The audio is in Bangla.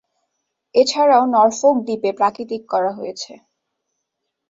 এছাড়াও নরফোক দ্বীপে প্রাকৃতিক করা হয়েছে।